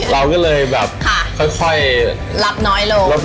เราก็เลยแบบค่อย